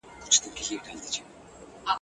نور له زړه څخه ستا مینه سم ایستلای !.